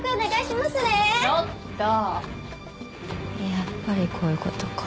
やっぱりこういう事か。